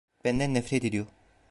Benden nefret ediyor.